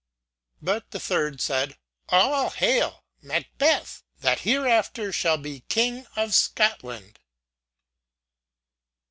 But the third said:—"All hail Makbeth, that hereafter shall be King of Scotland!"